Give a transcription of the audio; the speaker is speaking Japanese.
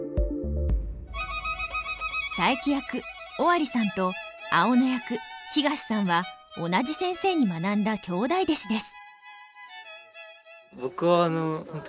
佐伯役尾張さんと青野役東さんは同じ先生に学んだ兄弟弟子です。